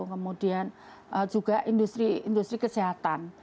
kemudian juga industri industri kesehatan